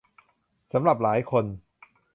สำหรับหลายคน